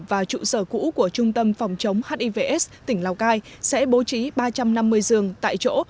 và trụ sở cũ của trung tâm phòng chống hivs tỉnh lào cai sẽ bố trí ba trăm năm mươi giường tại chỗ